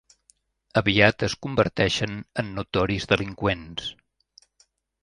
Aviat es converteixen en notoris delinqüents.